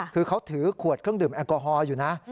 คือเขาถือขวดเครื่องดื่มแอลกอฮอลอยู่นะ